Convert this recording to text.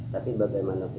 tapi bagaimana pun